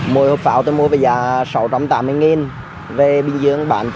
mua hộp pháo tôi mua về giá sáu trăm tám mươi nghìn về bình dương bán chín trăm linh